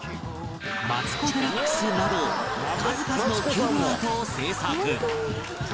マツコ・デラックスなど数々のキューブアートを制作